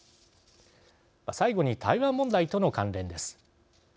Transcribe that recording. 最後に、台湾問題との関連です。